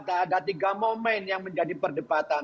ada tiga momen yang menjadi perdebatan